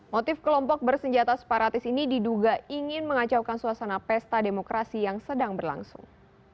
motif kelompok bersenjata separatis ini diduga ingin mengacaukan suasana pesta demokrasi yang sedang berlangsung